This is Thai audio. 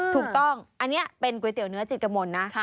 ถูกต้องอันนี้เป็นก๋วยเตี๋ยเนื้อจิตกมลนะ